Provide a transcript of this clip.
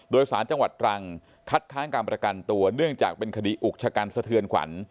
โดยสารจังหวัดตรังคัดค้างการประกันตัวเนื่องจากเป็นคดีอุกชะกันสะเทือนขวัญ